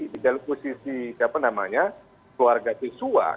di dalam posisi apa namanya keluarga jesua